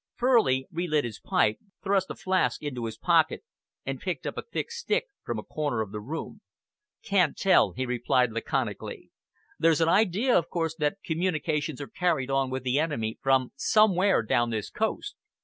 Furley relit his pipe, thrust a flask into his pocket, and picked up a thick stick from a corner of the room. "Can't tell," he replied laconically. "There's an idea, of course, that communications are carried on with the enemy from somewhere down this coast.